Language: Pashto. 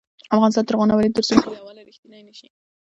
افغانستان تر هغو نه ابادیږي، ترڅو ملي یووالی رښتینی نشي.